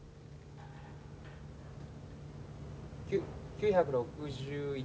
９６１。